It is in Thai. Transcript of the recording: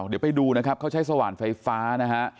เดี๋ยวไปดูนะครับเขาใช้สว่านไฟฟ้านะฮะ